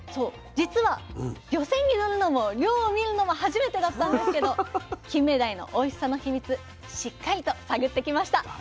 実は漁船に乗るのも漁を見るのも初めてだったんですけどキンメダイのおいしさのヒミツしっかりと探ってきました。